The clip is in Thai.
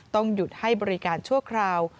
ต้องหยุดให้บริการชั่วคราว